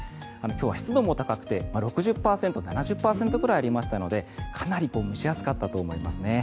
今日は湿度も高くて６０％７０％ぐらいありましたのでかなり蒸し暑かったと思いますね。